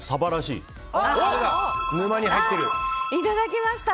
いただきました！